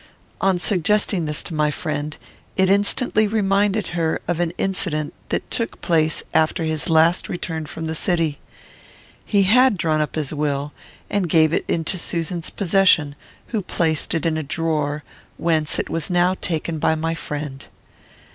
On suggesting this to my friend, it instantly reminded her of an incident that took place after his last return from the city. He had drawn up his will, and gave it into Susan's possession, who placed it in a drawer, whence it was now taken by my friend.